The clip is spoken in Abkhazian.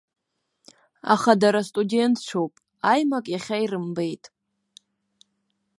Аха дара студентцәоуп, аимак иахьа ирымбеит.